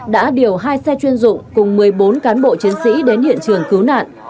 đã điều hai xe chuyên dụng cùng một mươi bốn cán bộ chiến sĩ đến hiện trường cứu nạn